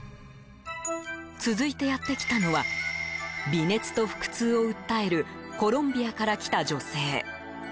続いて、やってきたのは微熱と腹痛を訴えるコロンビアから来た女性。